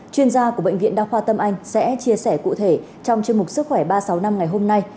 chuyên gia của bệnh viện đa khoa tâm anh sẽ chia sẻ cụ thể trong chương mục sức khỏe ba sáu năm ngày hôm nay